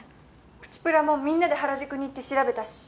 プチプラもみんなで原宿に行って調べたし。